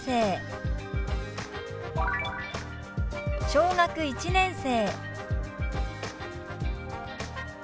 「小学１年生」。